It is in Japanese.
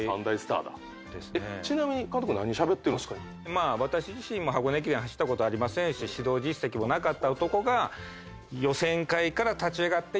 まあ私自身も箱根駅伝走ったことありませんし指導実績もなかった男が。